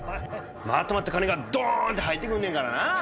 まとまった金がドーンと入ってくんねんからな。